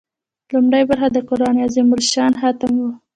لومړۍ برخه د قران عظیم الشان ختم و.